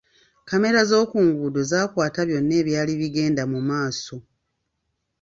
Kkamera z'oku nguudo zaakwata byonna ebyali bigenda mu maaso.